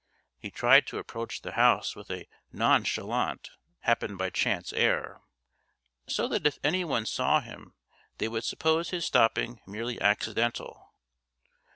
He tried to approach the house with a nonchalant, happen by chance air, so that if any one saw him they would suppose his stopping merely accidental.